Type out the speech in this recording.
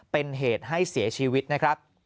เป็นเหตุให้เสียชีวิตนะครับ